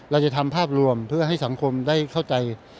เราจะทำภาพรวมเพื่อให้สังคมได้เข้าใจ